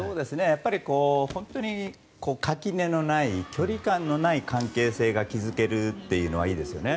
本当に垣根のない距離感のない関係性が築けるっていうのはいいですよね。